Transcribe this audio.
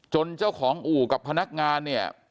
เจ้าของอู่กับพนักงานเนี่ย